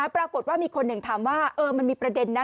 ปรากฏว่ามีคนหนึ่งถามว่ามันมีประเด็นนะ